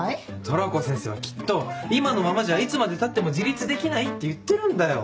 トラコ先生はきっと今のままじゃいつまでたっても自立できないって言ってるんだよ